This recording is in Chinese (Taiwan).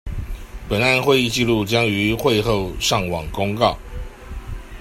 本案會議紀錄將於會後上網公告